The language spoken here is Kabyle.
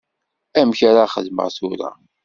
Amek ara xedmeɣ tura?